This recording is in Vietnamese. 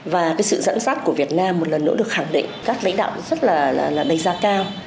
và cái sự dẫn dắt của việt nam một lần nữa được khẳng định các lãnh đạo rất là đầy da cao